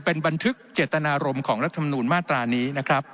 เป็นบันทึกเจตนารมของรัฐมนูลมาตรานี้